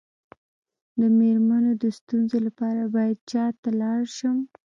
د میرمنو د ستونزو لپاره باید چا ته لاړ شم؟